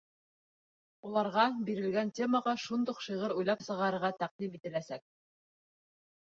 Уларға бирелгән темаға шундуҡ шиғыр уйлап сығарырға тәҡдим ителәсәк.